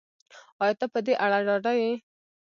ایا ته په دې اړه ډاډه یې